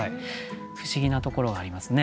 不思議なところがありますね